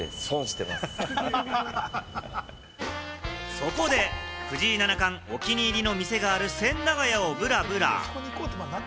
そこで、藤井七冠お気に入りの店がある千駄ヶ谷をブラブラ。